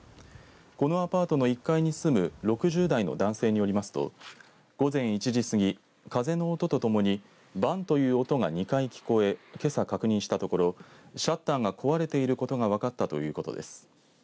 このアパートの１階に住む６０代の男性によりますと午前１時過ぎ、風の音とともにばんという音が２回聞こえけさ、確認したところシャッターが壊れていることが分かったということです。